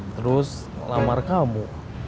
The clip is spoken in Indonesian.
terus lamar kamu